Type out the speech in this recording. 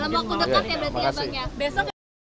dalam waktu dekat ya berarti ya bang